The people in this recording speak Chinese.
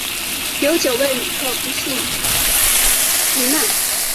有九位旅客不幸罹难